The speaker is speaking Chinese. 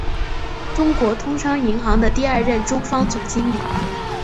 中国通商银行的第二任中方总经理。